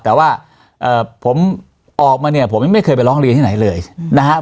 แต่ว่าผมออกมาเนี่ยผมไม่เคยไปร้องเรียนที่ไหนเลยนะครับ